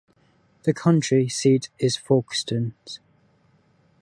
The county seat is Folkston.